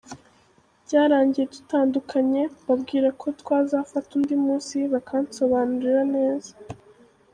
byarangiye dutandukanye mbabwira ko twazafata undi munsi bakansobanurira neza.